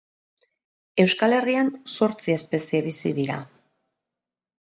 Euskal Herrian zortzi espezie bizi dira.